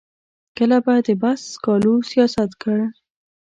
کله به د بحث سکالو سیاست کړ.